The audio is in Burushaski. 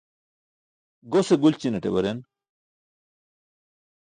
Gose gulćinaṭe baren.